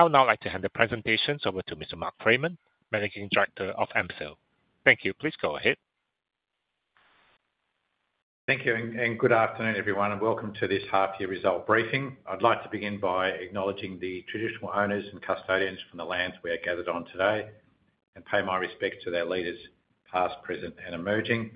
I would now like to hand the presentations over to Mr. Mark Freeman, Managing Director of AMCIL. Thank you. Please go ahead. Thank you, and good afternoon, everyone, and welcome to this half-year result briefing. I'd like to begin by acknowledging the traditional owners and custodians from the lands we are gathered on today, and pay my respects to their leaders, past, present, and emerging.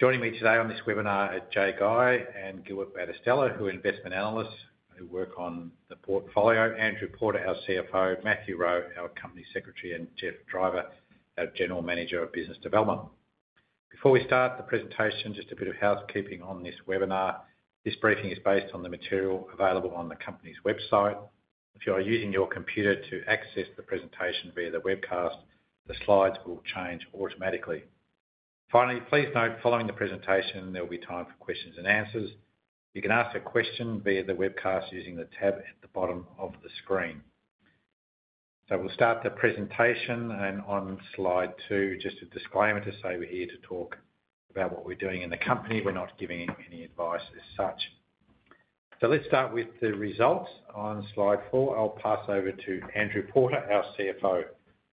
Joining me today on this webinar are Jaye Guy and Gilbert Battistella, who are investment analysts who work on the portfolio. Andrew Porter, our CFO, Matthew Rowe, our Company Secretary, and Geoff Driver, our General Manager of Business Development. Before we start the presentation, just a bit of housekeeping on this webinar. This briefing is based on the material available on the company's website. If you are using your computer to access the presentation via the webcast, the slides will change automatically. Finally, please note, following the presentation, there will be time for questions and answers. You can ask a question via the webcast using the tab at the bottom of the screen. So we'll start the presentation, and on slide two, just a disclaimer to say we're here to talk about what we're doing in the company. We're not giving any advice as such. So let's start with the results. On slide four, I'll pass over to Andrew Porter, our CFO.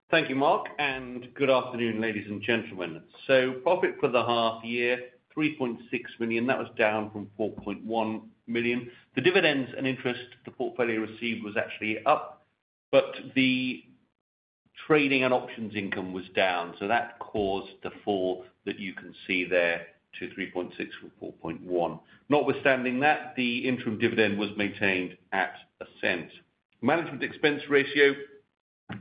Thank you, Mark, and good afternoon, ladies and gentlemen. So profit for the half-year, 3.6 million. That was down from 4.1 million. The dividends and interest the portfolio received was actually up, but the trading and options income was down, so that caused the fall that you can see there to 3.6 million from 4.1 million. Notwithstanding that, the interim dividend was maintained at 1 cent. Management expense ratio,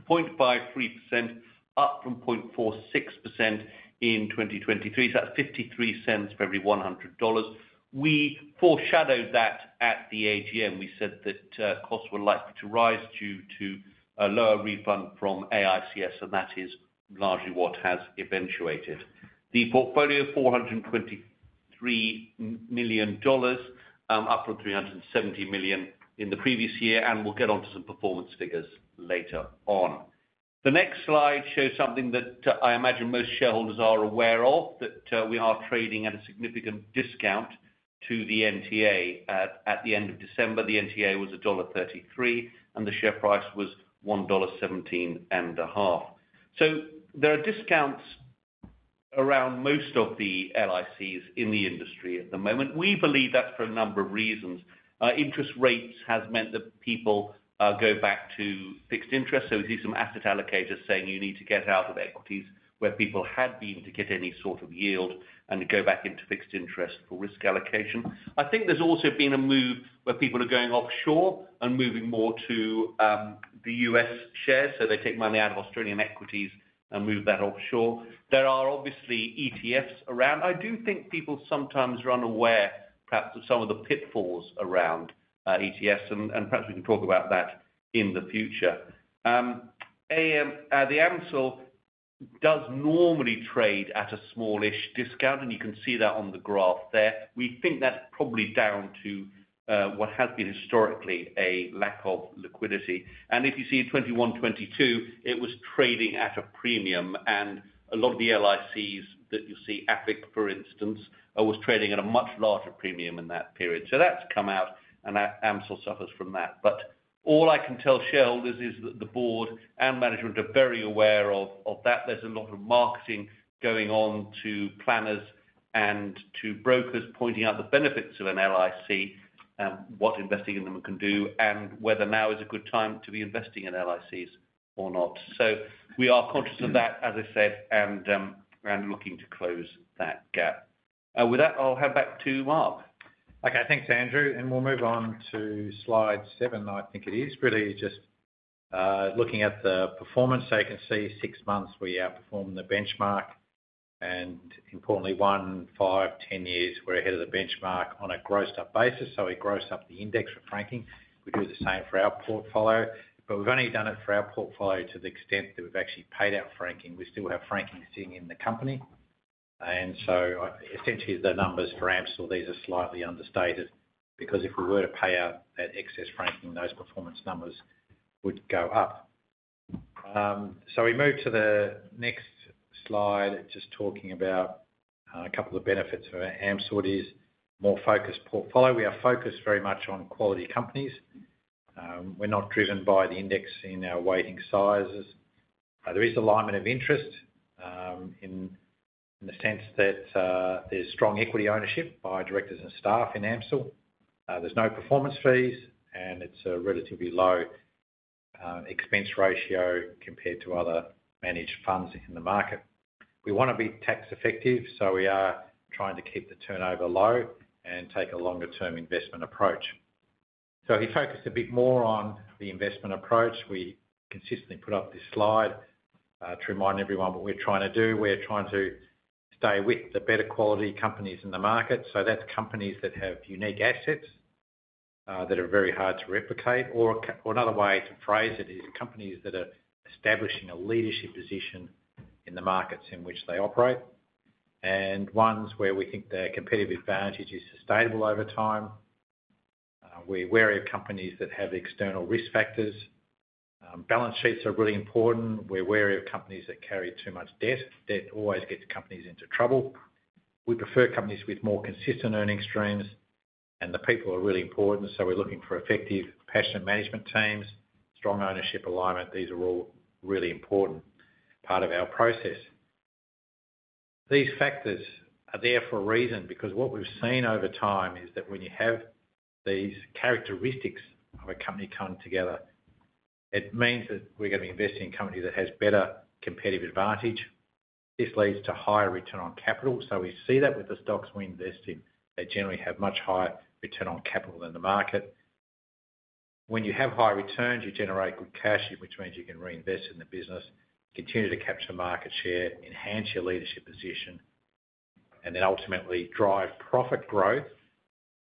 0.53%, up from 0.46% in 2023, so that's 0.53 for every 100 dollars. We foreshadowed that at the AGM. We said that costs were likely to rise due to a lower refund from AFIC, and that is largely what has eventuated. The portfolio, 423 million dollars, up from 370 million in the previous year, and we'll get on to some performance figures later on. The next slide shows something that I imagine most shareholders are aware of, that we are trading at a significant discount to the NTA. At the end of December, the NTA was dollar 1.33, and the share price was 1.17 dollar. So there are discounts around most of the LICs in the industry at the moment. We believe that's for a number of reasons. Interest rates have meant that people go back to fixed interest, so we see some asset allocators saying you need to get out of equities where people had been to get any sort of yield and go back into fixed interest for risk allocation. I think there's also been a move where people are going offshore and moving more to the U.S. shares, so they take money out of Australian equities and move that offshore. There are obviously ETFs around. I do think people sometimes are unaware, perhaps, of some of the pitfalls around ETFs, and perhaps we can talk about that in the future. The AMCIL does normally trade at a smallish discount, and you can see that on the graph there. We think that's probably down to what has been historically a lack of liquidity, and if you see 2021-2022, it was trading at a premium, and a lot of the LICs that you see, AFIC, for instance, was trading at a much larger premium in that period, so that's come out, and AMCIL suffers from that, but all I can tell shareholders is that the board and management are very aware of that. There's a lot of marketing going on to planners and to brokers pointing out the benefits of an LIC, what investing in them can do, and whether now is a good time to be investing in LICs or not. So we are conscious of that, as I said, and looking to close that gap. With that, I'll hand back to Mark. Okay, thanks, Andrew. And we'll move on to slide seven, I think it is. Really just looking at the performance, so you can see six months we outperformed the benchmark, and importantly, one, five, ten years we're ahead of the benchmark on a grossed-up basis, so we grossed up the index for franking. We do the same for our portfolio, but we've only done it for our portfolio to the extent that we've actually paid out franking. We still have franking sitting in the company. And so essentially the numbers for AMCIL, these are slightly understated because if we were to pay out that excess franking, those performance numbers would go up. So we move to the next slide, just talking about a couple of benefits of AMCIL. It is a more focused portfolio. We are focused very much on quality companies. We're not driven by the index in our weighting sizes. There is alignment of interest in the sense that there's strong equity ownership by directors and staff in AMCIL. There's no performance fees, and it's a relatively low expense ratio compared to other managed funds in the market. We want to be tax-effective, so we are trying to keep the turnover low and take a longer-term investment approach. So if you focus a bit more on the investment approach, we consistently put up this slide to remind everyone what we're trying to do. We're trying to stay with the better quality companies in the market, so that's companies that have unique assets that are very hard to replicate, or another way to phrase it is companies that are establishing a leadership position in the markets in which they operate, and ones where we think their competitive advantage is sustainable over time. We're wary of companies that have external risk factors. Balance sheets are really important. We're wary of companies that carry too much debt. Debt always gets companies into trouble. We prefer companies with more consistent earnings streams, and the people are really important, so we're looking for effective, passionate management teams, strong ownership alignment. These are all really important part of our process. These factors are there for a reason because what we've seen over time is that when you have these characteristics of a company coming together, it means that we're going to be investing in a company that has better competitive advantage. This leads to higher return on capital, so we see that with the stocks we invest in. They generally have much higher return on capital than the market. When you have high returns, you generate good cash, which means you can reinvest in the business, continue to capture market share, enhance your leadership position, and then ultimately drive profit growth.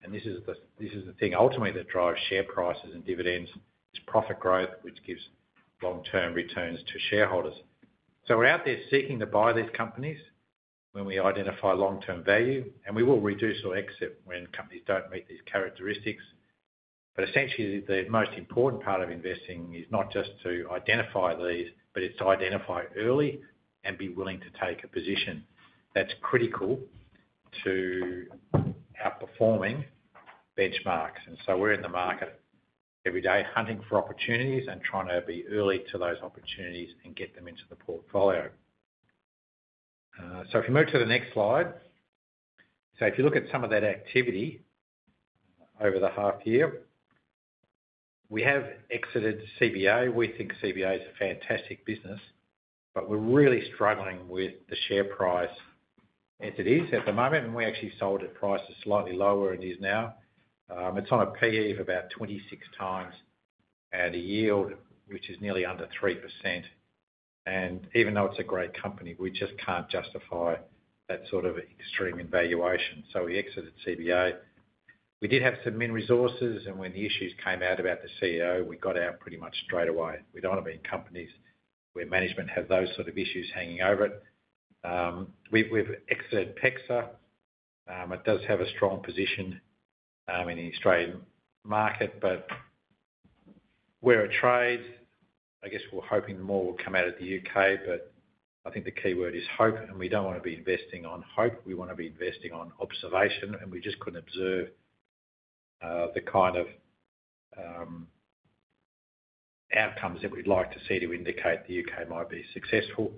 And this is the thing ultimately that drives share prices and dividends: it's profit growth, which gives long-term returns to shareholders. So we're out there seeking to buy these companies when we identify long-term value, and we will reduce or exit when companies don't meet these characteristics. But essentially, the most important part of investing is not just to identify these, but it's to identify early and be willing to take a position. That's critical to outperforming benchmarks. And so we're in the market every day hunting for opportunities and trying to be early to those opportunities and get them into the portfolio. So if you move to the next slide, so if you look at some of that activity over the half-year, we have exited CBA. We think CBA is a fantastic business, but we're really struggling with the share price as it is at the moment, and we actually sold at prices slightly lower than it is now. It's on a P/E of about 26x and a yield which is nearly under 3%. And even though it's a great company, we just can't justify that sort of extreme valuation, so we exited CBA. We did have some mining resources, and when the issues came out about the CEO, we got out pretty much straight away. We don't want to be in companies where management has those sort of issues hanging over it. We've exited PEXA. It does have a strong position in the Australian market, but where it trades, I guess we're hoping more will come out of the U.K., but I think the key word is hope, and we don't want to be investing on hope. We want to be investing on observation, and we just couldn't observe the kind of outcomes that we'd like to see to indicate the U.K. might be successful.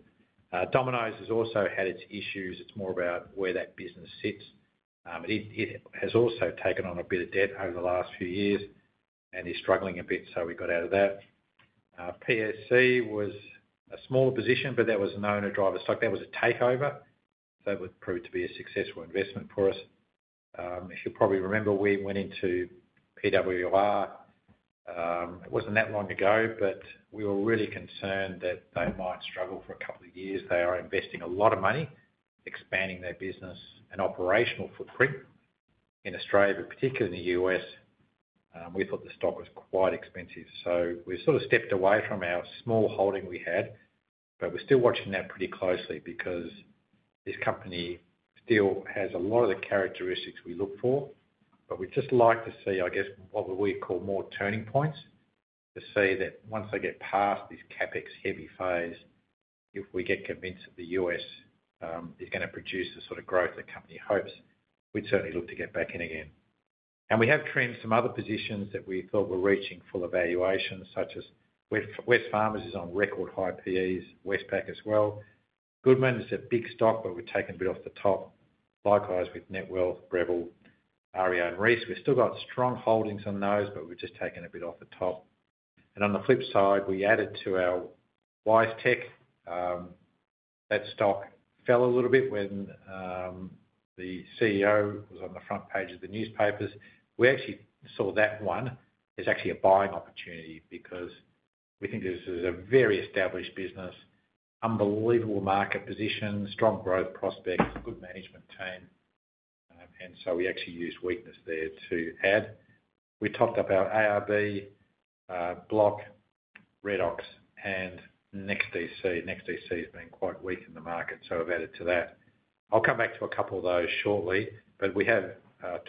Domino's has also had its issues. It's more about where that business sits. It has also taken on a bit of debt over the last few years, and it's struggling a bit, so we got out of that. PSC was a smaller position, but that was an owner-driver stock. That was a takeover, so it proved to be a successful investment for us. If you probably remember, we went into PWR. It wasn't that long ago, but we were really concerned that they might struggle for a couple of years. They are investing a lot of money, expanding their business and operational footprint in Australia, but particularly in the U.S. We thought the stock was quite expensive, so we sort of stepped away from our small holding we had, but we're still watching that pretty closely because this company still has a lot of the characteristics we look for. But we'd just like to see, I guess, what we call more turning points to see that once they get past this CapEx heavy phase, if we get convinced that the U.S. is going to produce the sort of growth the company hopes, we'd certainly look to get back in again. And we have trimmed some other positions that we thought were reaching full valuation, such as Wesfarmers is on record high P/Es. Westpac as well. Goodman is a big stock, but we've taken a bit off the top, likewise with Netwealth, Breville, REA and Reece. We've still got strong holdings on those, but we've just taken a bit off the top. And on the flip side, we added to our WiseTech. That stock fell a little bit when the CEO was on the front page of the newspapers. We actually saw that one as actually a buying opportunity because we think this is a very established business, unbelievable market position, strong growth prospects, good management team, and so we actually used weakness there to add. We topped up our ARB, Block, Redox, and NEXTDC. NEXTDC has been quite weak in the market, so I've added to that. I'll come back to a couple of those shortly, but we have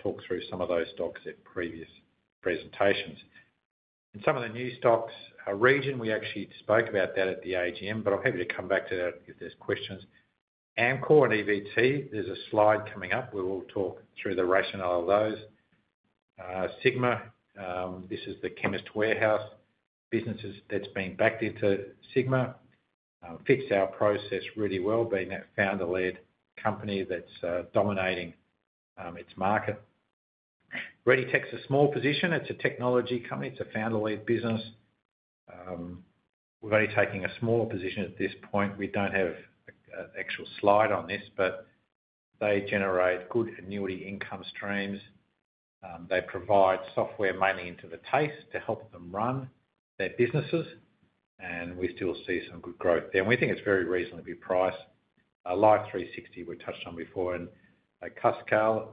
talked through some of those stocks at previous presentations, and some of the new stocks, Region, we actually spoke about that at the AGM, but I'm happy to come back to that if there's questions. Amcor and EVT, there's a slide coming up. We will talk through the rationale of those. Sigma, this is the Chemist Warehouse businesses that's been backed into Sigma. Fixed our process really well, being that founder-led company that's dominating its market. ReadyTech's a small position. It's a technology company. It's a founder-led business. We're only taking a smaller position at this point. We don't have an actual slide on this, but they generate good annuity income streams. They provide software mainly into the TAFE to help them run their businesses, and we still see some good growth there, and we think it's very reasonably priced. Life360, we touched on before, and Cuscal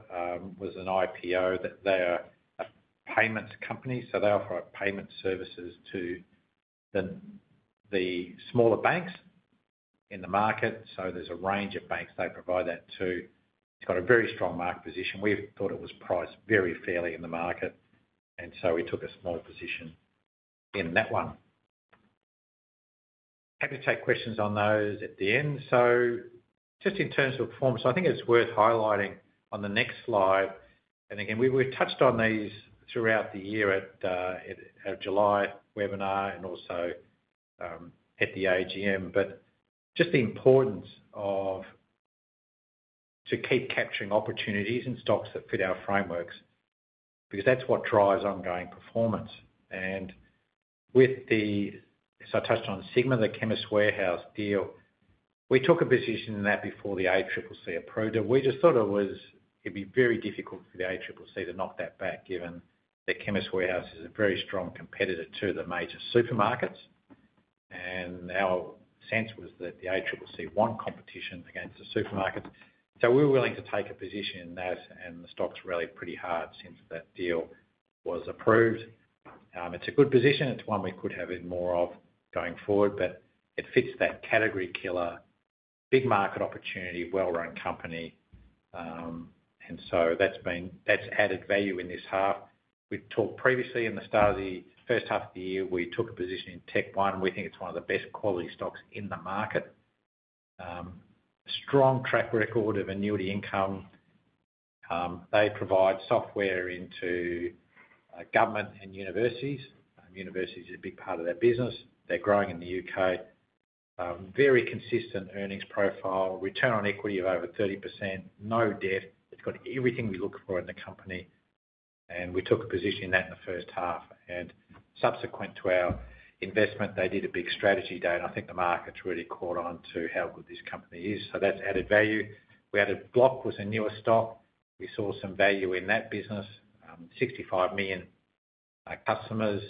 was an IPO. They are a payments company, so they offer payment services to the smaller banks in the market, so there's a range of banks they provide that to. It's got a very strong market position. We thought it was priced very fairly in the market, and so we took a small position in that one. Happy to take questions on those at the end. Just in terms of performance, I think it's worth highlighting on the next slide. Again, we've touched on these throughout the year at our July webinar and also at the AGM, but just the importance of keeping capturing opportunities in stocks that fit our frameworks because that's what drives ongoing performance. As I touched on Sigma, the Chemist Warehouse deal, we took a position in that before the ACCC approved it. We just thought it would be very difficult for the ACCC to knock that back given that Chemist Warehouse is a very strong competitor to the major supermarkets, and our sense was that the ACCC won competition against the supermarkets. We were willing to take a position in that, and the stock's rallied pretty hard since that deal was approved. It's a good position. It's one we could have more of going forward, but it fits that category killer, big market opportunity, well-run company. And so that's added value in this half. We talked previously. In the start of the first half of the year, we took a position in Tech One. We think it's one of the best quality stocks in the market. Strong track record of annuity income. They provide software into government and universities. Universities are a big part of their business. They're growing in the U.K. Very consistent earnings profile, return on equity of over 30%, no debt. It's got everything we look for in the company, and we took a position in that in the first half. And subsequent to our investment, they did a big strategy day, and I think the market's really caught on to how good this company is. So that's added value. We added Block, which was a newer stock. We saw some value in that business, 65 million customers,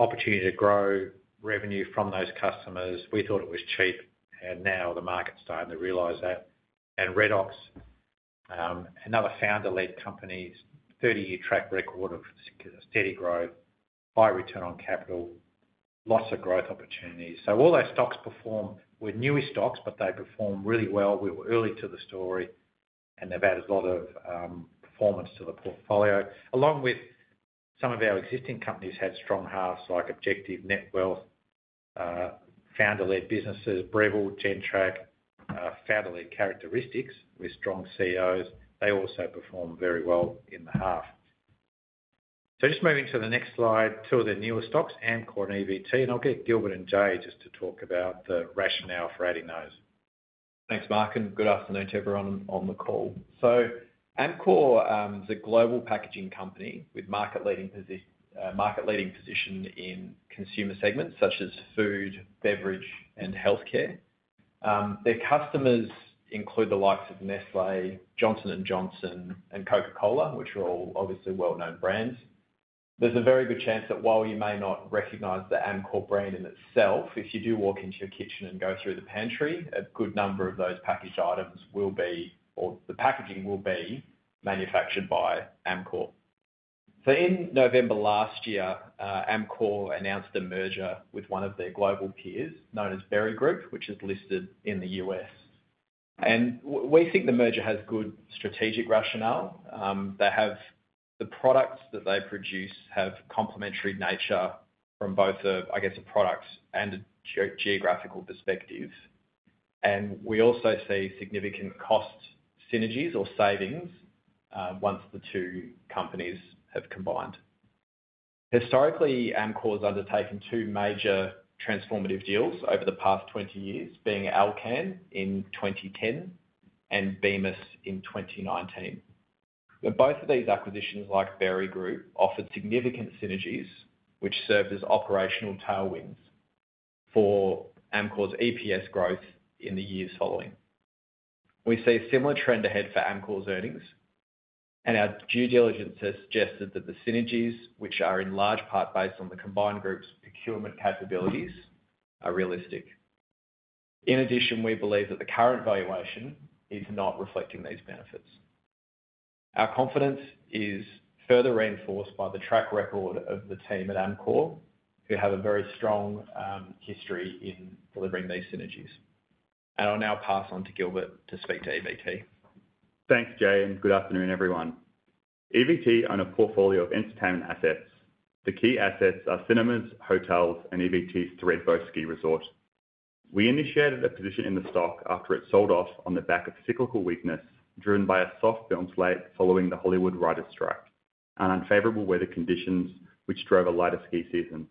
opportunity to grow revenue from those customers. We thought it was cheap, and now the market's starting to realize that. And Redox, another founder-led company, 30-year track record of steady growth, high return on capital, lots of growth opportunities. So all those stocks perform. We're newer stocks, but they perform really well. We were early to the story, and they've added a lot of performance to the portfolio. Along with some of our existing companies had strong halves like Objective, Netwealth, founder-led businesses, Breville, Gentrack, founder-led characteristics with strong CEOs. They also perform very well in the half. So just moving to the next slide, two of the newer stocks, Amcor and EVT, and I'll get Gilbert and Jaye just to talk about the rationale for adding those. Thanks, Mark. Good afternoon to everyone on the call. So Amcor is a global packaging company with a market-leading position in consumer segments such as food, beverage, and healthcare. Their customers include the likes of Nestlé, Johnson & Johnson, and Coca-Cola, which are all obviously well-known brands. There's a very good chance that while you may not recognise the Amcor brand in itself, if you do walk into your kitchen and go through the pantry, a good number of those packaged items will be, or the packaging will be, manufactured by Amcor. So in November last year, Amcor announced a merger with one of their global peers known as Berry Global Group, which is listed in the U.S. And we think the merger has good strategic rationale. The products that they produce have complementary nature from both, I guess, a product and a geographical perspective. We also see significant cost synergies or savings once the two companies have combined. Historically, Amcor has undertaken two major transformative deals over the past 20 years, being Alcan in 2010 and Bemis in 2019. Both of these acquisitions, like Berry Global, offered significant synergies, which served as operational tailwinds for Amcor's EPS growth in the years following. We see a similar trend ahead for Amcor's earnings, and our due diligence has suggested that the synergies, which are in large part based on the combined group's procurement capabilities, are realistic. In addition, we believe that the current valuation is not reflecting these benefits. Our confidence is further reinforced by the track record of the team at Amcor, who have a very strong history in delivering these synergies. I'll now pass on to Gilbert to speak to EVT. Thanks, Jaye, and good afternoon, everyone. EVT owns a portfolio of entertainment assets. The key assets are cinemas, hotels, and EVT's Thredbo Ski Resort. We initiated a position in the stock after it sold off on the back of cyclical weakness driven by a soft film slate following the Hollywood writer's strike and unfavorable weather conditions, which drove a lighter ski season.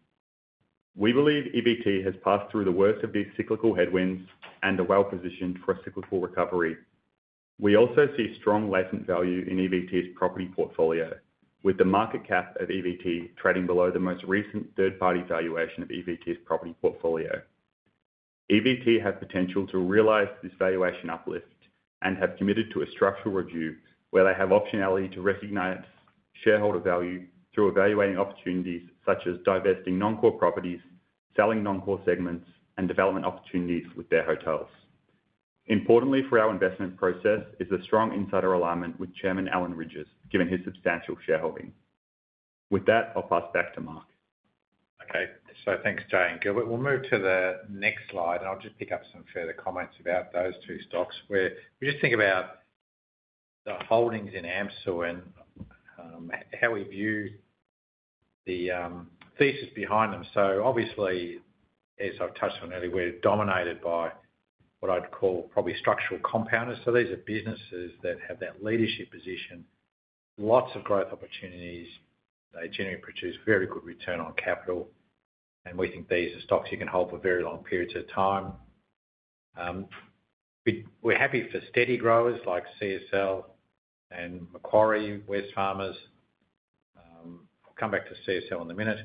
We believe EVT has passed through the worst of these cyclical headwinds and are well-positioned for a cyclical recovery. We also see strong latent value in EVT's property portfolio, with the market cap of EVT trading below the most recent third-party valuation of EVT's property portfolio. EVT has potential to realize this valuation uplift and have committed to a structural review where they have optionality to recognise shareholder value through evaluating opportunities such as divesting non-core properties, selling non-core segments, and development opportunities with their hotels. Importantly for our investment process is the strong insider alignment with Chairman Alan Rydge, given his substantial shareholding. With that, I'll pass back to Mark. Okay, so thanks, Jaye and Gilbert. We'll move to the next slide, and I'll just pick up some further comments about those two stocks. We just think about the holdings in AMCIL and how we view the thesis behind them, so obviously, as I've touched on earlier, we're dominated by what I'd call probably structural compounders, so these are businesses that have that leadership position, lots of growth opportunities. They generally produce very good return on capital, and we think these are stocks you can hold for very long periods of time. We're happy for steady growers like CSL and Macquarie, Wesfarmers. I'll come back to CSL in a minute.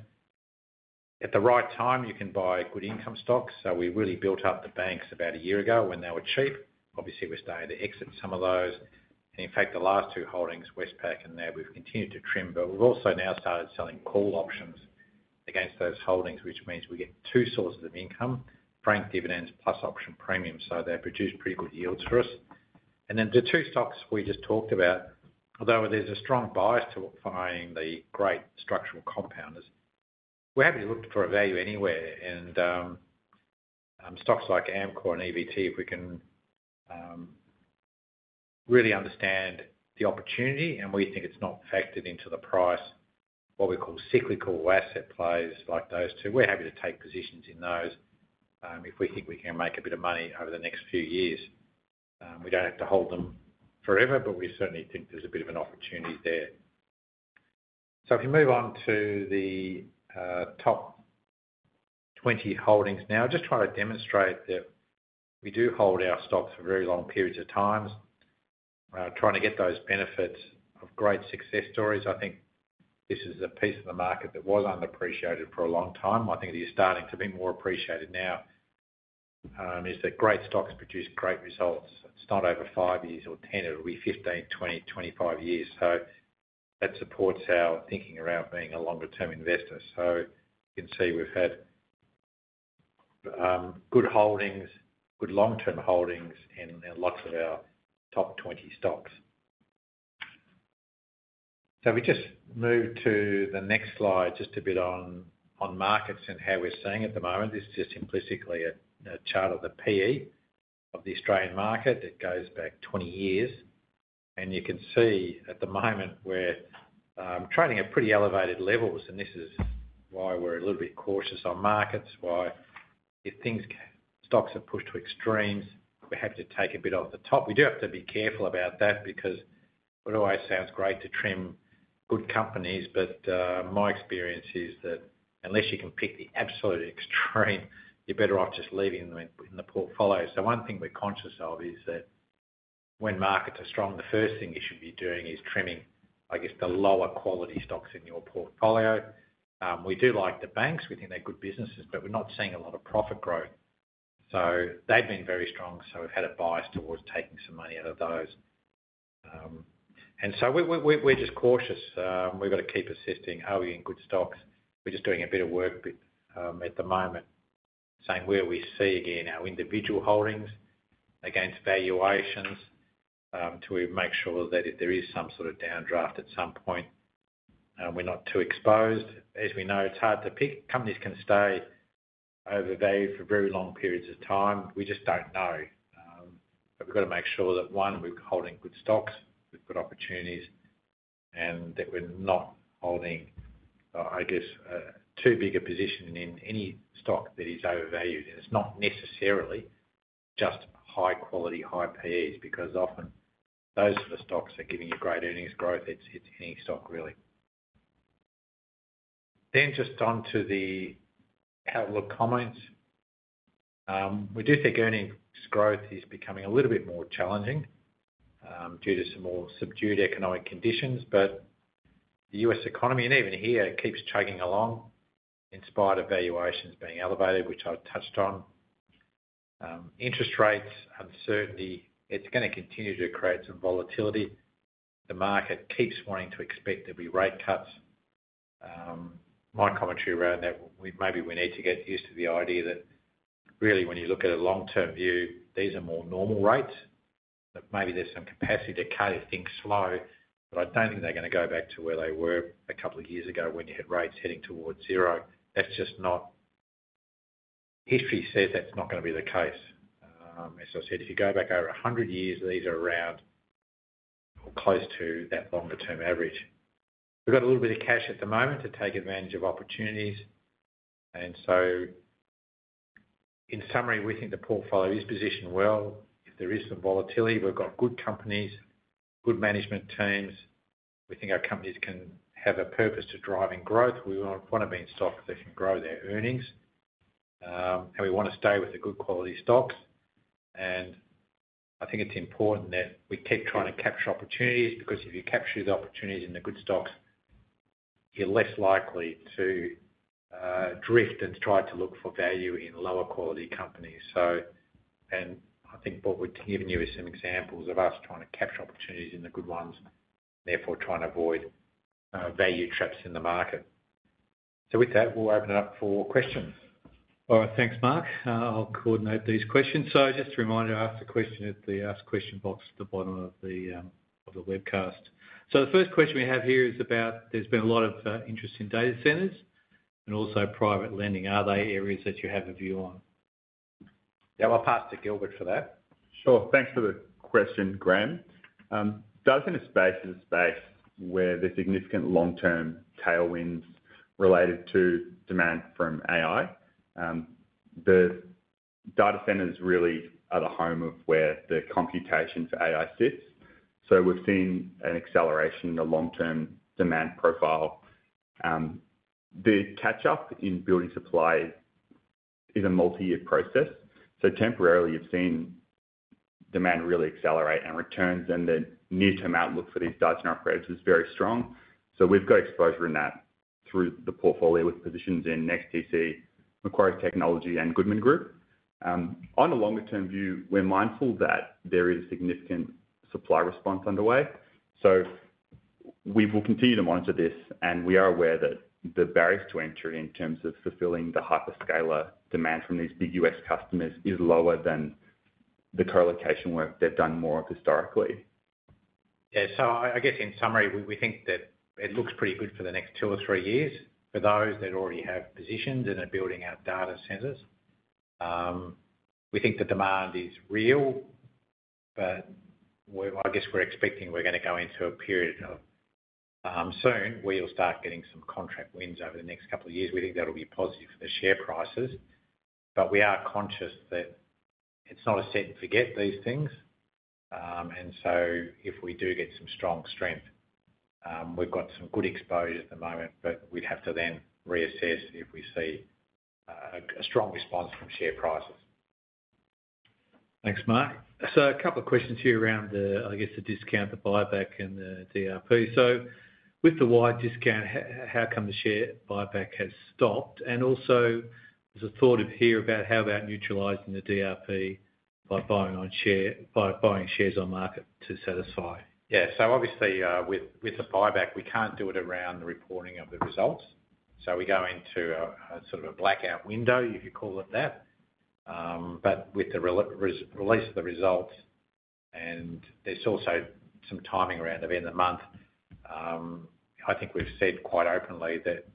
At the right time, you can buy good income stocks. So we really built up the banks about a year ago when they were cheap. Obviously, we're starting to exit some of those. And in fact, the last two holdings, Westpac and NAB, we've continued to trim, but we've also now started selling call options against those holdings, which means we get two sources of income: franked dividends plus option premiums. So they produce pretty good yields for us. And then the two stocks we just talked about, although there's a strong bias to finding the great structural compounders, we're happy to look for a value anywhere. And stocks like Amcor and EVT, if we can really understand the opportunity and we think it's not factored into the price, what we call cyclical asset plays like those two, we're happy to take positions in those if we think we can make a bit of money over the next few years. We don't have to hold them forever, but we certainly think there's a bit of an opportunity there. So if you move on to the top 20 holdings now, just trying to demonstrate that we do hold our stocks for very long periods of time, trying to get those benefits of great success stories. I think this is a piece of the market that was underappreciated for a long time. I think it is starting to be more appreciated now. It's that great stocks produce great results. It's not over five years or 10. It'll be 15, 20, 25 years. So that supports our thinking around being a longer-term investor. So you can see we've had good holdings, good long-term holdings, and lots of our top 20 stocks. So if we just move to the next slide, just a bit on markets and how we're seeing at the moment. This is just implicitly a chart of the P/E of the Australian market that goes back 20 years. And you can see at the moment we're trading at pretty elevated levels, and this is why we're a little bit cautious on markets, why if the stocks are pushed to extremes, we're happy to take a bit off the top. We do have to be careful about that because it always sounds great to trim good companies, but my experience is that unless you can pick the absolute extreme, you're better off just leaving them in the portfolio. So one thing we're conscious of is that when markets are strong, the first thing you should be doing is trimming, I guess, the lower-quality stocks in your portfolio. We do like the banks. We think they're good businesses, but we're not seeing a lot of profit growth. So they've been very strong, so we've had a bias towards taking some money out of those. And so we're just cautious. We've got to keep assessing: are we in good stocks? We're just doing a bit of work at the moment, saying where we see again our individual holdings against valuations to make sure that if there is some sort of downdraft at some point, we're not too exposed. As we know, it's hard to pick. Companies can stay overvalued for very long periods of time. We just don't know. But we've got to make sure that, one, we're holding good stocks, we've got opportunities, and that we're not holding, I guess, too big a position in any stock that is overvalued. And it's not necessarily just high-quality, high PEs because often those sort of stocks are giving you great earnings growth. It's any stock, really. Then just on to the outlook comments. We do think earnings growth is becoming a little bit more challenging due to some more subdued economic conditions, but the U.S. economy, and even here, keeps chugging along in spite of valuations being elevated, which I've touched on. Interest rates uncertainty, it's going to continue to create some volatility. The market keeps wanting to expect there'll be rate cuts. My commentary around that, maybe we need to get used to the idea that really when you look at a long-term view, these are more normal rates. Maybe there's some capacity to cut if things slow, but I don't think they're going to go back to where they were a couple of years ago when you had rates heading towards zero. That's just not history says that's not going to be the case. As I said, if you go back over 100 years, these are around or close to that longer-term average. We've got a little bit of cash at the moment to take advantage of opportunities, and so in summary, we think the portfolio is positioned well. If there is some volatility, we've got good companies, good management teams. We think our companies can have a purpose to driving growth. We want to be in stocks that can grow their earnings, and we want to stay with the good quality stocks, and I think it's important that we keep trying to capture opportunities because if you capture the opportunities in the good stocks, you're less likely to drift and try to look for value in lower-quality companies. And I think what we've given you is some examples of us trying to capture opportunities in the good ones, therefore trying to avoid value traps in the market. So with that, we'll open it up for questions. All right, thanks, Mark. I'll coordinate these questions. So just a reminder, ask the question at the ask question box at the bottom of the webcast. So the first question we have here is about: there's been a lot of interest in data centers and also private lending. Are they areas that you have a view on? Yeah, I'll pass to Gilbert for that. Sure, thanks for the question, Graham. Data center space is a space where there's significant long-term tailwinds related to demand from AI. The data centers really are the home of where the computation for AI sits. So we've seen an acceleration in the long-term demand profile. The catch-up in building supply is a multi-year process. So temporarily, you've seen demand really accelerate and returns, and the near-term outlook for these data center operators is very strong. So we've got exposure in that through the portfolio with positions in NEXTDC, Macquarie Technology, and Goodman Group. On a longer-term view, we're mindful that there is a significant supply response underway. So we will continue to monitor this, and we are aware that the barriers to entry in terms of fulfilling the hyperscaler demand from these big U.S. customers is lower than the colocation work they've done more of historically. Yeah, so I guess in summary, we think that it looks pretty good for the next two or three years for those that already have positions and are building out data centers. We think the demand is real, but I guess we're expecting to go into a period soon where you'll start getting some contract wins over the next couple of years. We think that'll be positive for the share prices, but we are conscious that it's not a set-and-forget these things. If we do get some strength, we've got some good exposure at the moment, but we'd have to then reassess if we see a strong response from share prices. Thanks, Mark. A couple of questions here around the, I guess, the discount, the buyback, and the DRP. With the wide discount, how come the share buyback has stopped? Also there's a thought here about how about neutralizing the DRP by buying shares on market to satisfy. Yeah, so obviously with the buyback, we can't do it around the reporting of the results. So we go into a sort of a blackout window, if you call it that. But with the release of the results, and there's also some timing around the end of the month, I think we've said quite openly that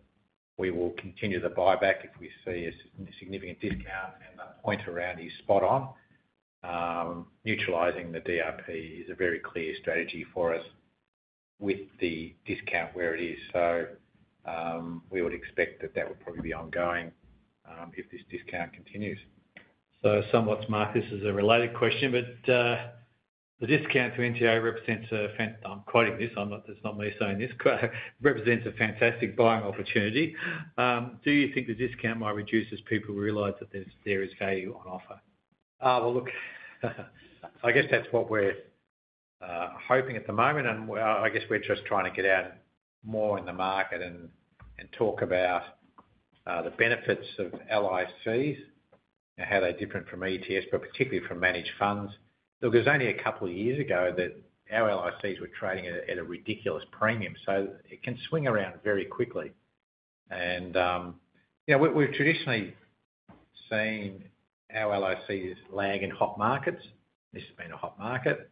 we will continue the buyback if we see a significant discount, and the point around is spot on. Neutralizing the DRP is a very clear strategy for us with the discount where it is. So we would expect that that would probably be ongoing if this discount continues. So somewhat Mark is a related question, but the discount to NTA represents a fantastic - I'm quoting this, it's not me saying this - it represents a fantastic buying opportunity. Do you think the discount might reduce as people realize that there is value on offer? Well, look, I guess that's what we're hoping at the moment, and I guess we're just trying to get out more in the market and talk about the benefits of LICs and how they're different from ETFs, but particularly from managed funds. Look, it was only a couple of years ago that our LICs were trading at a ridiculous premium, so it can swing around very quickly. And we've traditionally seen our LICs lag in hot markets. This has been a hot market,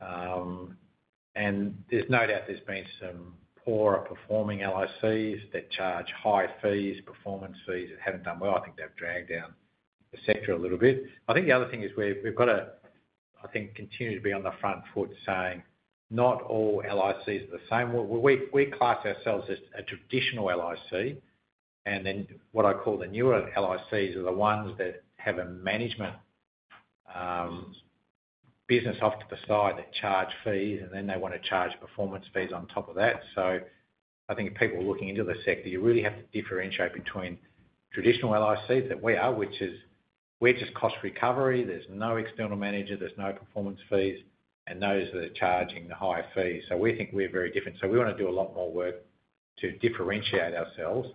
and there's no doubt there's been some poorer performing LICs that charge high fees, performance fees that haven't done well. I think they've dragged down the sector a little bit. I think the other thing is we've got to, I think, continue to be on the front foot saying not all LICs are the same. We class ourselves as a traditional LIC, and then what I call the newer LICs are the ones that have a management business off to the side that charge fees, and then they want to charge performance fees on top of that. So I think people looking into the sector, you really have to differentiate between traditional LICs that we are, which is we're just cost recovery. There's no external manager, there's no performance fees, and those that are charging the high fees. So we think we're very different. So we want to do a lot more work to differentiate ourselves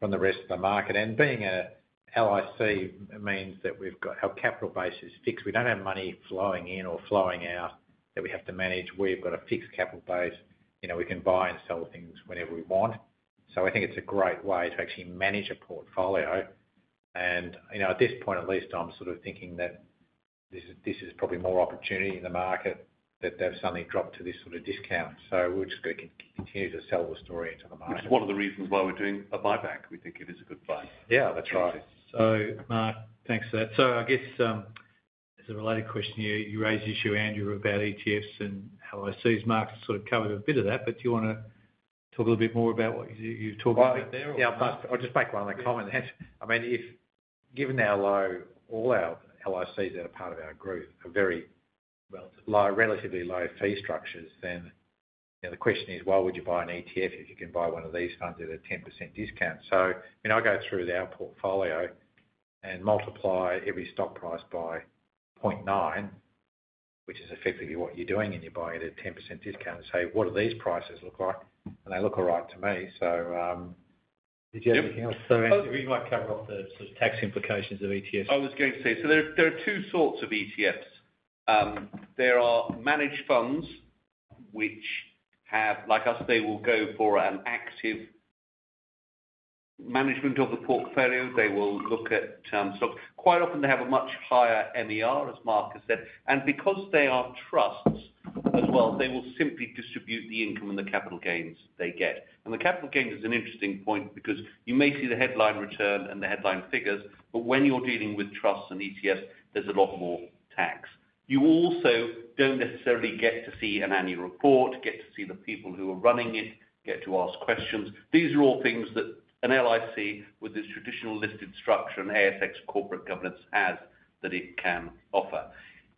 from the rest of the market. And being an LIC means that we've got our capital base is fixed. We don't have money flowing in or flowing out that we have to manage. We've got a fixed capital base. We can buy and sell things whenever we want. So I think it's a great way to actually manage a portfolio. And at this point, at least, I'm sort of thinking that this is probably more opportunity in the market that they've suddenly dropped to this sort of discount. So we're just going to continue to sell the story into the market. It's one of the reasons why we're doing a buyback. We think it is a good buy. Yeah, that's right. So Mark, thanks for that. So I guess there's a related question here. You raised issue, Andrew, about ETFs and LICs. Mark's sort of covered a bit of that, but do you want to talk a little bit more about what you've talked a bit there? I'll just make one other comment. I mean, given how low all our LICs that are part of our group are very relatively low fee structures, then the question is, why would you buy an ETF if you can buy one of these funds at a 10% discount, so I go through our portfolio and multiply every stock price by 0.9, which is effectively what you're doing, and you're buying at a 10% discount, and say, what do these prices look like, and they look all right to me, so did you have anything else, so we might cover off the sort of tax implications of ETFs. I was going to say, so there are two sorts of ETFs. There are managed funds which have, like us, they will go for an active management of the portfolio. They will look at term stocks. Quite often, they have a much higher MER, as Mark has said. Because they are trusts as well, they will simply distribute the income and the capital gains they get. The capital gains is an interesting point because you may see the headline return and the headline figures, but when you're dealing with trusts and ETFs, there's a lot more tax. You also don't necessarily get to see an annual report, get to see the people who are running it, get to ask questions. These are all things that an LIC with this traditional listed structure and ASX corporate governance has that it can offer.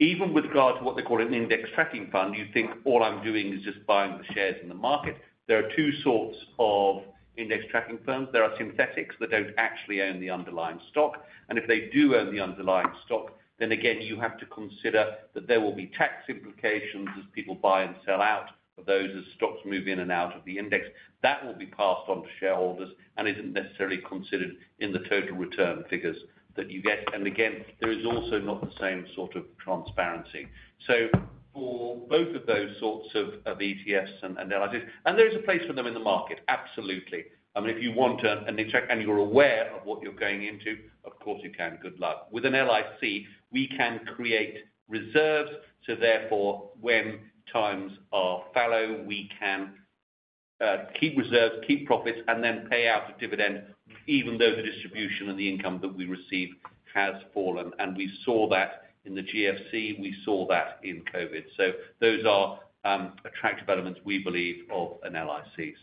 Even with regard to what they call an index tracking fund, you think, all I'm doing is just buying the shares in the market. There are two sorts of index tracking funds. There are synthetics that don't actually own the underlying stock. And if they do own the underlying stock, then again, you have to consider that there will be tax implications as people buy and sell out of those as stocks move in and out of the index. That will be passed on to shareholders and isn't necessarily considered in the total return figures that you get. And again, there is also not the same sort of transparency. So for both of those sorts of ETFs and LICs, and there is a place for them in the market, absolutely. I mean, if you want an index track and you're aware of what you're going into, of course you can. Good luck. With an LIC, we can create reserves. So therefore, when times are fallow, we can keep reserves, keep profits, and then pay out a dividend even though the distribution of the income that we receive has fallen. We saw that in the GFC. We saw that in COVID. Those are attractive elements, we believe, of an LIC.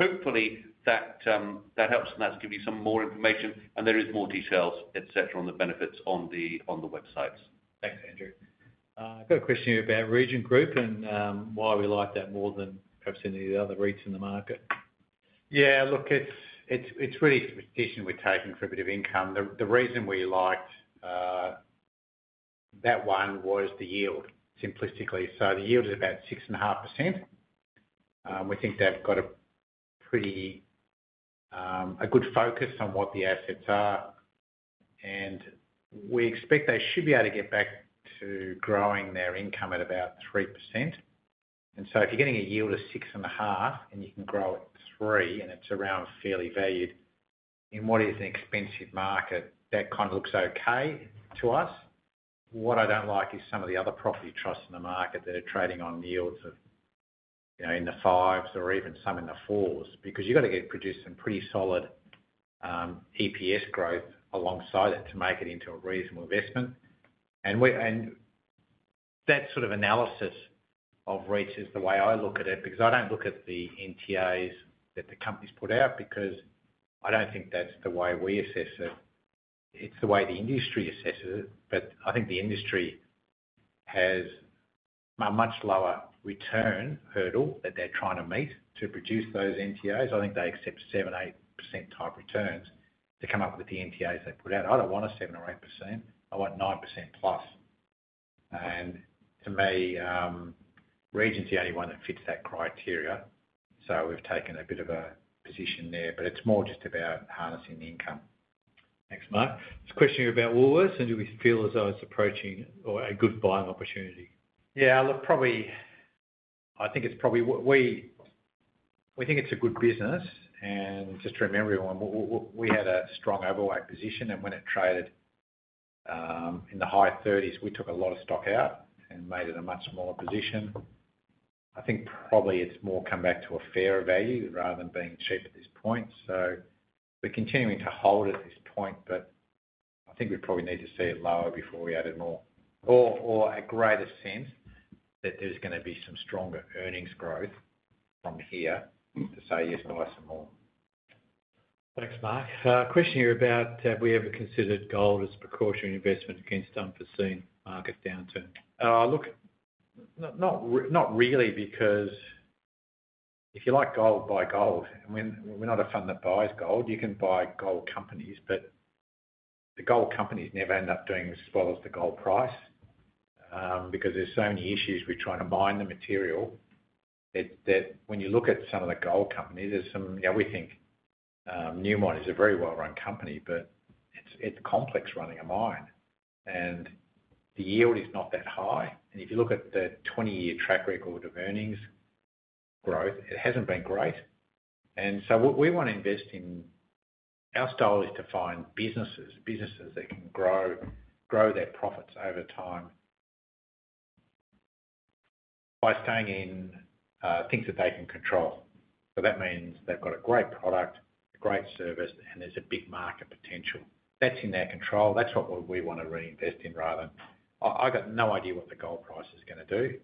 Hopefully that helps, and that's given you some more information. There is more details, etc., on the benefits on the websites. Thanks, Andrew. I've got a question here about Region Group and why we like that more than perhaps any of the other REITs in the market. Yeah, look, it's really a decision we're taking for a bit of income. The reason we liked that one was the yield, simplistically. The yield is about 6.5%. We think they've got a pretty good focus on what the assets are, and we expect they should be able to get back to growing their income at about 3%. And so if you're getting a yield of 6.5% and you can grow it to three and it's around fairly valued in what is an expensive market, that kind of looks okay to us. What I don't like is some of the other property trusts in the market that are trading on yields in the fives or even some in the fours because you've got to produce some pretty solid EPS growth alongside it to make it into a reasonable investment. And that sort of analysis of REITs is the way I look at it because I don't look at the NTAs that the companies put out because I don't think that's the way we assess it. It's the way the industry assesses it. But I think the industry has a much lower return hurdle that they're trying to meet to produce those NTAs. I think they accept 7%-8% type returns to come up with the NTAs they put out. I don't want a 7% or 8%. I want 9%+. And to me, Region's the only one that fits that criteria. So we've taken a bit of a position there, but it's more just about harnessing the income. Thanks, Mark. This question here about ALS, and do we feel as though it's approaching a good buying opportunity? Yeah, look, probably we think it's a good business. And just to remember everyone, we had a strong overweight position, and when it traded in the high 30s, we took a lot of stock out and made it a much smaller position. I think probably it's more come back to a fair value rather than being cheap at this point. We're continuing to hold at this point, but I think we probably need to see it lower before we add it more, or a greater sense that there's going to be some stronger earnings growth from here to say, yes, buy some more. Thanks, Mark. Question here about have we ever considered gold as a precautionary investment against unforeseen market downturn? Look, not really because if you like gold, buy gold. I mean, we're not a fund that buys gold. You can buy gold companies, but the gold companies never end up doing as well as the gold price because there's so many issues. We're trying to mine the material that when you look at some of the gold companies, there's some yeah, we think Newmont is a very well-run company, but it's complex running a mine, and the yield is not that high. And if you look at the 20-year track record of earnings growth, it hasn't been great. And so we want to invest in our style is to find businesses that can grow their profits over time by staying in things that they can control. So that means they've got a great product, a great service, and there's a big market potential. That's in their control. That's what we want to reinvest in rather than I've got no idea what the gold price is going to do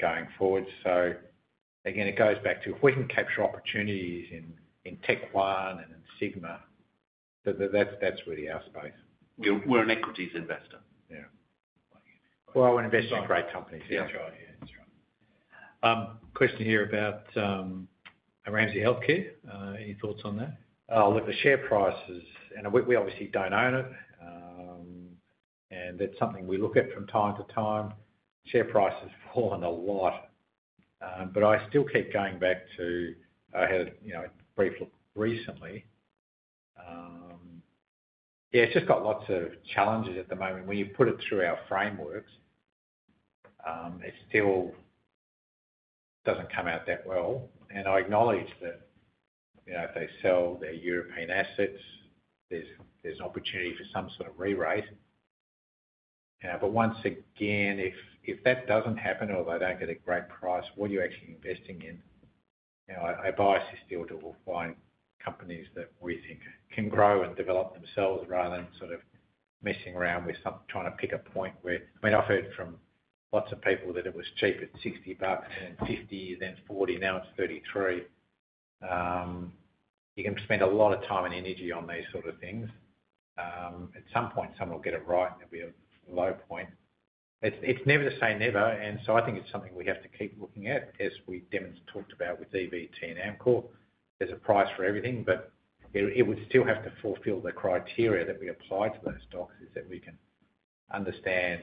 going forward. So again, it goes back to if we can capture opportunities in Tech One and in Sigma, that's really our space. We're an equities investor. Yeah. Well, we're investing in great companies, yeah. That's right. Yeah, that's right. Question here about Ramsay Health Care. Any thoughts on that? Look, the share prices, and we obviously don't own it, and that's something we look at from time to time. Share prices fallen a lot, but I still keep going back to I had a brief look recently. Yeah, it's just got lots of challenges at the moment. When you put it through our frameworks, it still doesn't come out that well, and I acknowledge that if they sell their European assets, there's an opportunity for some sort of re-rate. But once again, if that doesn't happen or they don't get a great price, what are you actually investing in? Our bias is still to find companies that we think can grow and develop themselves rather than sort of messing around with trying to pick a point where, I mean, I've heard from lots of people that it was cheap at 60 bucks, then 50, then 40, now it's 33. You can spend a lot of time and energy on these sort of things. At some point, someone will get it right, and there'll be a low point. It's never the same ever. And so I think it's something we have to keep looking at as we mentioned with EVT and Amcor. There's a price for everything, but it would still have to fulfill the criteria that we apply to those stocks is that we can understand,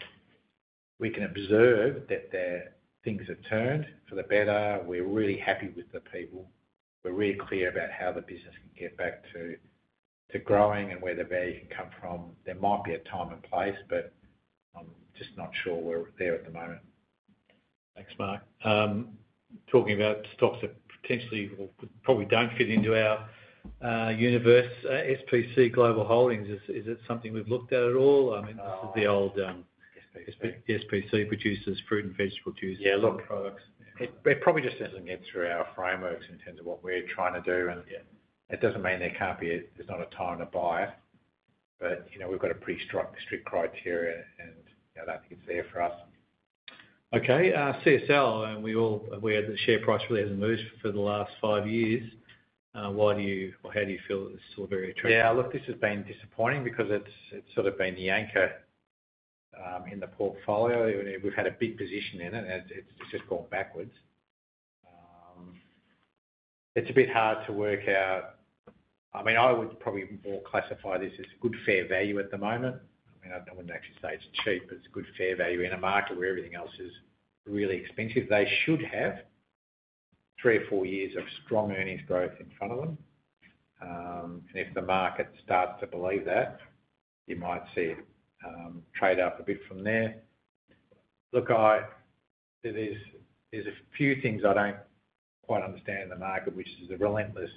we can observe that things have turned for the better. We're really happy with the people. We're really clear about how the business can get back to growing and where the value can come from. There might be a time and place, but I'm just not sure we're there at the moment. Thanks, Mark. Talking about stocks that potentially probably don't fit into our universe, SPC Global, is it something we've looked at at all? I mean, this is the old SPC produces fruit and vegetable juice products. Yeah, look, it probably just doesn't get through our frameworks in terms of what we're trying to do. And it doesn't mean there can't be a time to buy it, but we've got a pretty strict criteria, and I think it's there for us. Okay. CSL, we're aware that the share price really hasn't moved for the last five years. Why do you or how do you feel it's still very attractive? Yeah, look, this has been disappointing because it's sort of been the anchor in the portfolio. We've had a big position in it, and it's just gone backwards. It's a bit hard to work out. I mean, I would probably more classify this as a good fair value at the moment. I mean, I wouldn't actually say it's cheap. It's a good fair value in a market where everything else is really expensive. They should have three or four years of strong earnings growth in front of them. And if the market starts to believe that, you might see it trade up a bit from there. Look, there's a few things I don't quite understand in the market, which is the relentless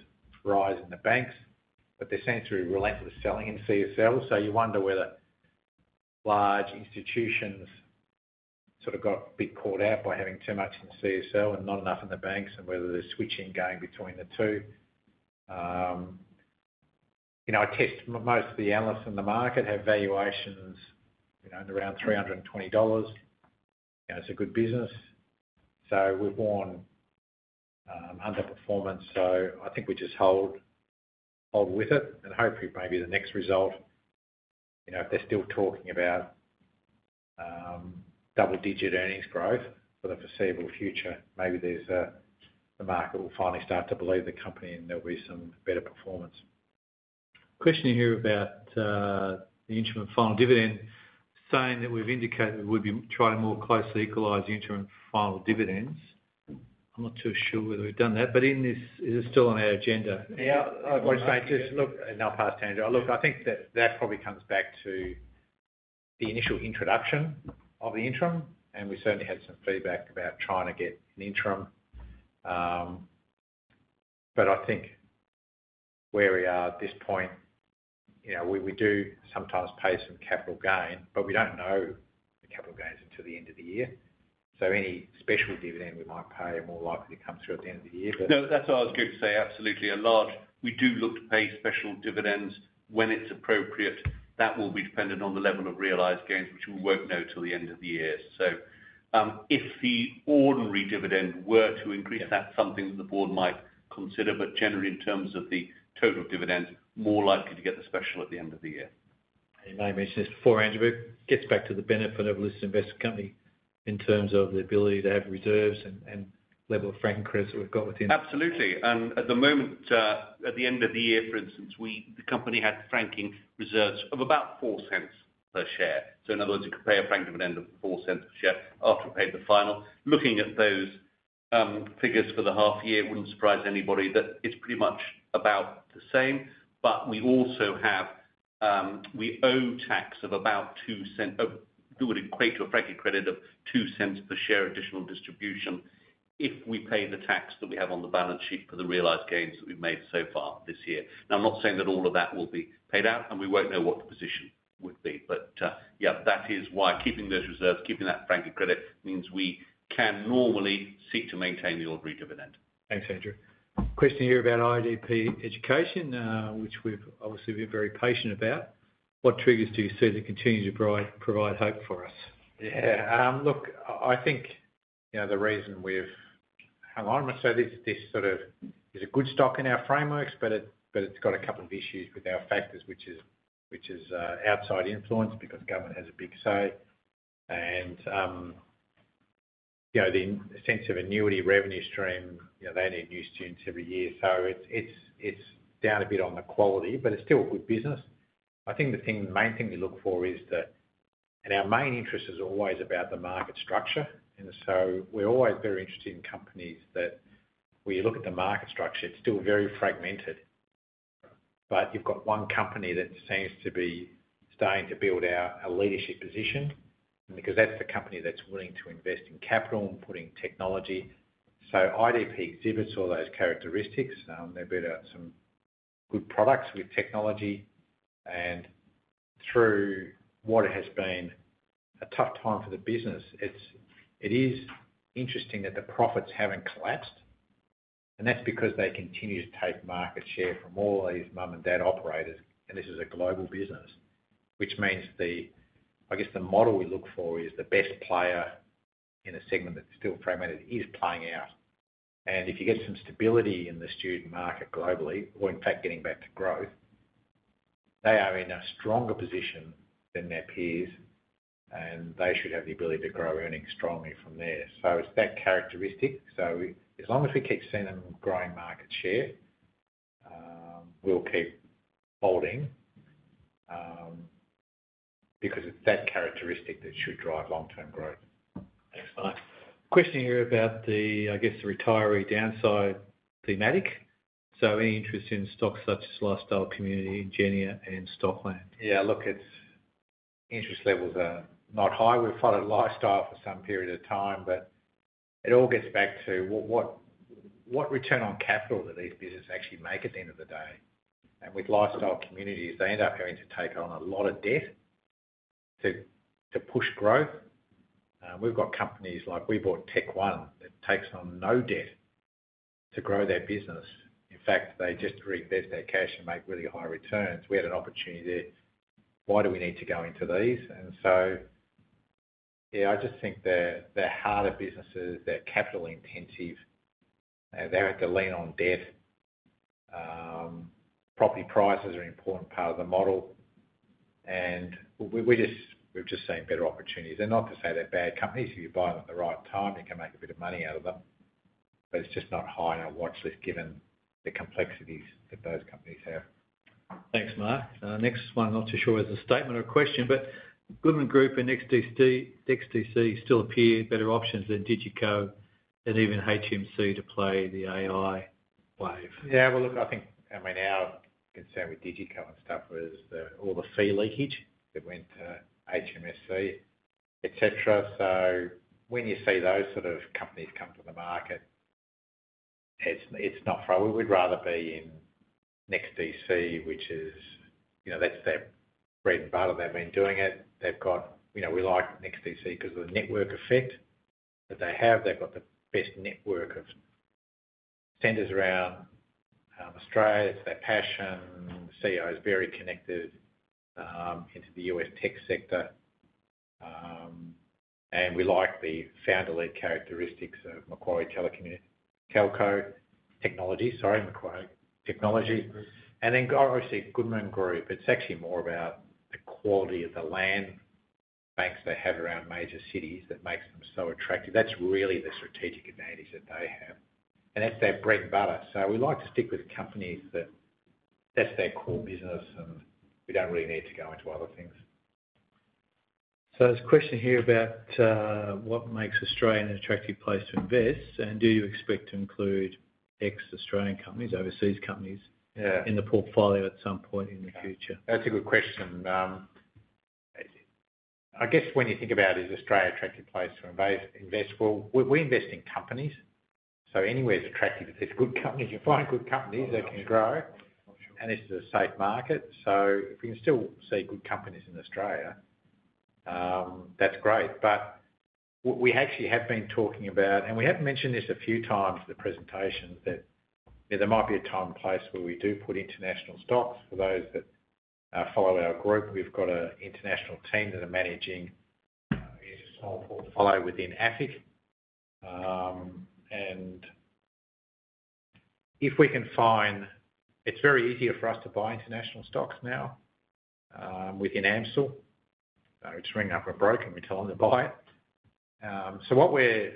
rise in the banks, but there's essentially relentless selling in CSL. So you wonder whether large institutions sort of got a bit caught out by having too much in CSL and not enough in the banks and whether they're switching going between the two. I think most of the analysts in the market have valuations around 320 dollars. It's a good business. So we've borne underperformance. So I think we just hold with it and hope maybe the next result, if they're still talking about double-digit earnings growth for the foreseeable future, maybe the market will finally start to believe the company and there'll be some better performance. Question here about the interim final dividend, saying that we've indicated we'd be trying to more closely equalize interim final dividends. I'm not too sure whether we've done that, but is it still on our agenda? Yeah, I was going to say, just look, and I'll pass to Andrew. Look, I think that probably comes back to the initial introduction of the interim, and we certainly had some feedback about trying to get an interim. But I think where we are at this point, we do sometimes pay some capital gain, but we don't know the capital gains until the end of the year. So any special dividend we might pay are more likely to come through at the end of the year. No, that's what I was going to say. Absolutely. We do look to pay special dividends when it's appropriate. That will be dependent on the level of realized gains, which we won't know till the end of the year. So if the ordinary dividend were to increase, that's something that the board might consider. But generally, in terms of the total dividends, more likely to get the special at the end of the year. You may mention this before, Andrew, but it gets back to the benefit of listed investment company in terms of the ability to have reserves and level of franking credits that we've got within. Absolutely. And at the moment, at the end of the year, for instance, the company had franking reserves of about 0.04 per share. So in other words, you could pay a franked dividend of 0.04 per share after we paid the final. Looking at those figures for the half year, it wouldn't surprise anybody that it's pretty much about the same. But we also have, we owe tax of about 0.02, which would equate to a franking credit of 0.02 per share additional distribution if we pay the tax that we have on the balance sheet for the realized gains that we've made so far this year. Now, I'm not saying that all of that will be paid out, and we won't know what the position would be. But yeah, that is why keeping those reserves, keeping that franking credit means we can normally seek to maintain the ordinary dividend. Thanks, Andrew. Question here about IDP Education, which we've obviously been very patient about. What triggers do you see to continue to provide hope for us? Yeah, look, I think the reason we've hang on, I'm going to say this is sort of it's a good stock in our frameworks, but it's got a couple of issues with our factors, which is outside influence because government has a big say. And the sense of annuity revenue stream, they need new students every year. So it's down a bit on the quality, but it's still a good business. I think the main thing we look for is that our main interest is always about the market structure, and so we're always very interested in companies that when you look at the market structure, it's still very fragmented, but you've got one company that seems to be starting to build our leadership position because that's the company that's willing to invest in capital and putting technology, so IDP exhibits all those characteristics. They've built out some good products with technology, and through what has been a tough time for the business, it is interesting that the profits haven't collapsed, and that's because they continue to take market share from all these mum and dad operators, and this is a global business, which means the, I guess, the model we look for is the best player in a segment that's still fragmented is playing out. If you get some stability in the student market globally, or in fact getting back to growth, they are in a stronger position than their peers, and they should have the ability to grow earnings strongly from there. So it's that characteristic. So as long as we keep seeing them growing market share, we'll keep holding because it's that characteristic that should drive long-term growth. Thanks, Mark. Question here about the, I guess, the retiree downside thematic. So any interest in stocks such as Lifestyle Communities, Ingenia, and Stockland? Yeah, look, interest levels are not high. We've followed Lifestyle for some period of time, but it all gets back to what return on capital do these businesses actually make at the end of the day? And with Lifestyle Communities, they end up having to take on a lot of debt to push growth. We've got companies like we bought Tech One that takes on no debt to grow their business. In fact, they just reinvest their cash and make really high returns. We had an opportunity there. Why do we need to go into these? And so, yeah, I just think they're harder businesses. They're capital intensive. They have to lean on debt. Property prices are an important part of the model. And we've just seen better opportunities. They're not to say they're bad companies. If you buy them at the right time, you can make a bit of money out of them. But it's just not high on our watchlist given the complexities that those companies have. Thanks, Mark. Next one, not too sure it's a statement or a question, but Goodman Group and NEXTDC still appear better options than DigiCo and even HMC to play the AI wave. Yeah, well, look, I think, I mean, our concern with DigiCo and stuff is all the fee leakage that went to HMC Capital, etc. So when you see those sort of companies come to the market, it's not for us. We'd rather be in NEXTDC, which is that's their bread and butter. They've been doing it. We like NEXTDC because of the network effect that they have. They've got the best network of centers around Australia. It's their passion. The CEO is very connected into the U.S. tech sector. And we like the founder-led characteristics of Macquarie Telecommunications Technology, sorry, Macquarie Technology. And then obviously, Goodman Group, it's actually more about the quality of the land banks they have around major cities that makes them so attractive. That's really the strategic advantage that they have. And that's their bread and butter. So we like to stick with companies that that's their core business, and we don't really need to go into other things. So there's a question here about what makes Australia an attractive place to invest, and do you expect to include ex-Australian companies, overseas companies in the portfolio at some point in the future? That's a good question. I guess when you think about is Australia an attractive place to invest. Well, we invest in companies. So anywhere's attractive if there's good companies. You find good companies that can grow, and this is a safe market. So if we can still see good companies in Australia, that's great. But we actually have been talking about, and we have mentioned this a few times in the presentation, that there might be a time and place where we do put international stocks. For those that follow our group, we've got an international team that are managing a small portfolio within AFIC. If we can find, it's very easy for us to buy international stocks now within AMCIL. It's ringing up a broker. We tell them to buy it. What we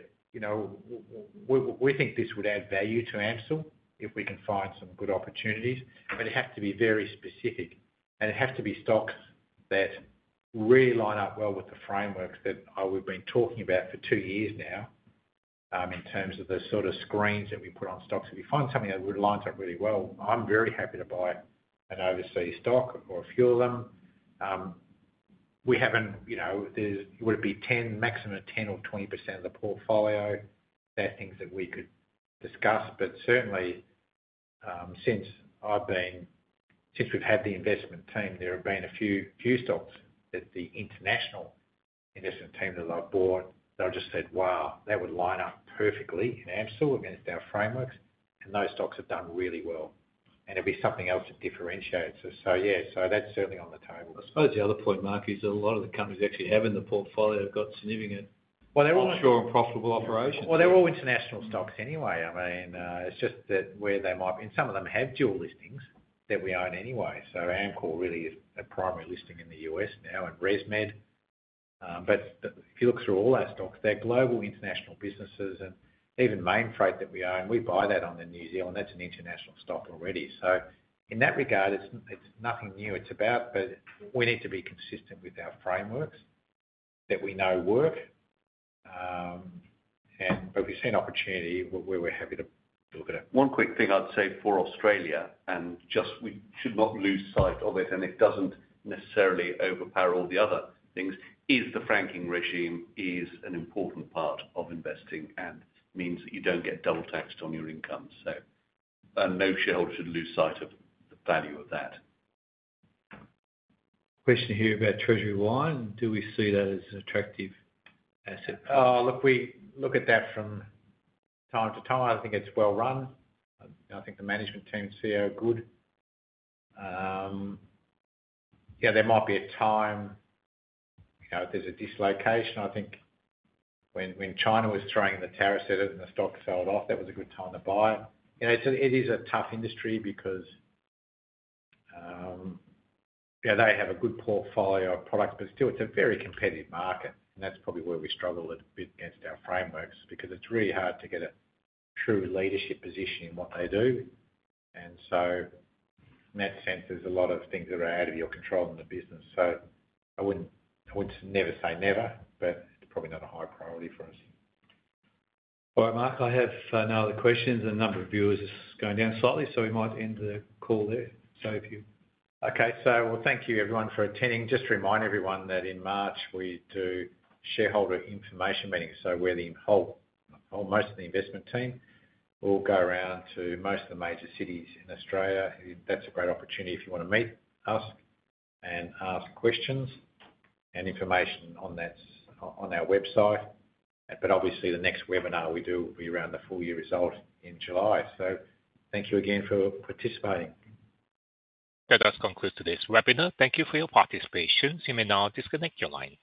think this would add value to AMCIL if we can find some good opportunities. It has to be very specific, and it has to be stocks that really line up well with the frameworks that we've been talking about for two years now in terms of the sort of screens that we put on stocks. If you find something that lines up really well, I'm very happy to buy an overseas stock or a few of them. We haven't. Would it be 10%, maximum 10% or 20% of the portfolio? They're things that we could discuss. But certainly, since we've had the investment team, there have been a few stocks that the international investment team that I've bought. They've just said, "Wow, that would line up perfectly in AMCIL against our frameworks." Those stocks have done really well. It'd be something else to differentiate it. Yeah, so that's certainly on the table. I suppose the other point, Mark, is a lot of the companies actually have in the portfolio got significant. They're all mature and profitable operations. They're all international stocks anyway. I mean, it's just that where they might be and some of them have dual listings that we own anyway. Amcor really is a primary listing in the U.S. now and ResMed. If you look through all our stocks, they're global international businesses. Even Mainfreight that we own, we buy that on the New Zealand. That's an international stock already. So in that regard, it's nothing new. It's about, but we need to be consistent with our frameworks that we know work. But we've seen opportunity where we're happy to look at it. One quick thing I'd say for Australia, and just we should not lose sight of it, and it doesn't necessarily overpower all the other things, is the franking regime is an important part of investing and means that you don't get double taxed on your income. So no shareholder should lose sight of the value of that. Question here about Treasury Wine. Do we see that as an attractive asset? Look, we look at that from time to time. I think it's well run. I think the management team and CEO are good. Yeah, there might be a time if there's a dislocation. I think when China was throwing in the tariffs at it and the stock sold off, that was a good time to buy it. It is a tough industry because they have a good portfolio of products, but still, it's a very competitive market. And that's probably where we struggle a bit against our frameworks because it's really hard to get a true leadership position in what they do. And so in that sense, there's a lot of things that are out of your control in the business. So I would never say never, but it's probably not a high priority for us. All right, Mark. I have no other questions. And the number of viewers is going down slightly, so we might end the call there. So if you're okay. So well, thank you, everyone, for attending. Just to remind everyone that in March, we do Shareholder Information Meetings. So, where most of the investment team will go around to most of the major cities in Australia. That's a great opportunity if you want to meet us and ask questions and information on our website. But obviously, the next webinar we do will be around the full year result in July. So, thank you again for participating. That does conclude today's webinar. Thank you for your participation. You may now disconnect your line.